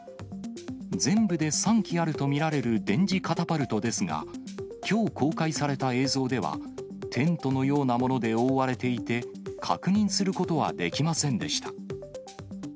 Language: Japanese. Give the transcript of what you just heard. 全部で３基あると見られる電磁カタパルトですが、きょう公開された映像では、テントのようなもので覆われていて、確認することはできませんでした。